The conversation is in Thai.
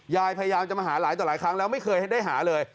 พยายามจะมาหาหลายต่อหลายครั้งแล้วไม่เคยให้ได้หาเลย